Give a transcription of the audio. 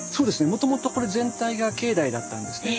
もともとこれ全体が境内だったんですね。